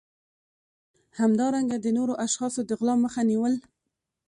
همدارنګه د نورو اشخاصو د غلا مخه نیول